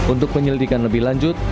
untuk penyelidikan lebih lanjut